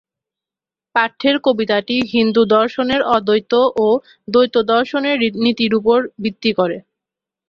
পাঠ্যের কবিতাটি হিন্দু দর্শনের অদ্বৈত ও দ্বৈত দর্শনের নীতির উপর ভিত্তি করে।